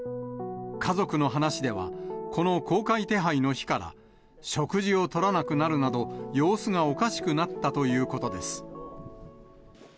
家族の話では、この公開手配の日から、食事をとらなくなるなど、様子がおかしくなったということです。